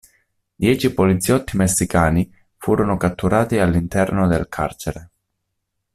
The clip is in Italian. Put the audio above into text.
Dieci poliziotti messicani furono catturati all'interno del carcere.